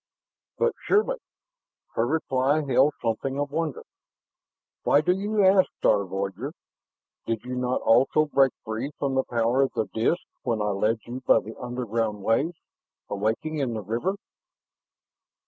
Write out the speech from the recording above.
"But surely." Her reply held something of wonder. "Why do you ask, star voyager? Did you not also break free from the power of the disk when I led you by the underground ways, awaking in the river?